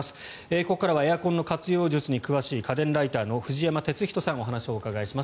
ここからはエアコンの活用術に詳しい家電ライターの藤山哲人さんにお話をお伺いします。